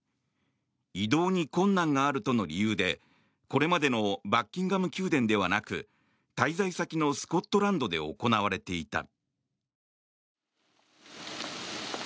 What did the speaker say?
移動に困難があるとの理由でこれまでのバッキンガム宮殿ではなく滞在先のスコットランドで行われていた。